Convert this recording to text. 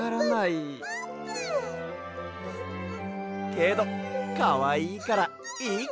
けどかわいいからいいか！